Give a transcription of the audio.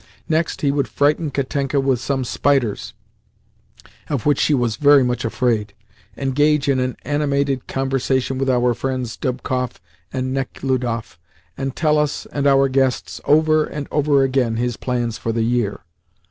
Next, he would frighten Katenka with some spiders (of which she was very much afraid), engage in an animated conversation with our friends Dubkoff and Nechludoff, and tell us and our guests, over and over again, his plans for the year.